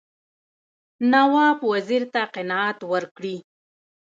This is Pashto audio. نواب وزیر ته قناعت ورکړي.